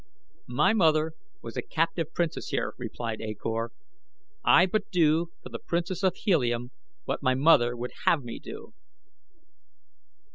"My mother was a captive princess here," replied A Kor. "I but do for the Princess of Helium what my mother would have me do."